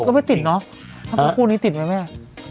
นี่ก็ไม่ติดเนอะปูนี้ติดไหมแม่